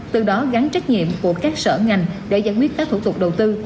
từ đó gắn trách nhiệm của các sở ngành để giải quyết các thủ tục đầu tư